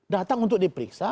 datang untuk diperiksa